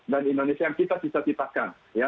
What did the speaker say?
dan indonesia yang kita bisa cipatkan